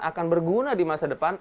akan berguna di masa depan